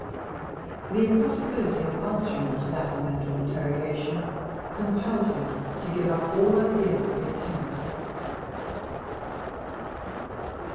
The impossibility of answering this latter mental interrogation compelled him to give up all idea of the attempt.